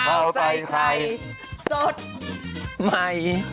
ข้าวใส่ไข่สดใหม่